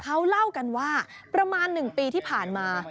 เขาเล่ากันว่าประมาณ๑ปีที่ผ่านมา